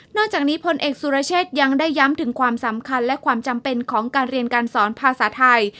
จากนี้พลเอกสุรเชษยังได้ย้ำถึงความสำคัญและความจำเป็นของการเรียนการสอนภาษาไทย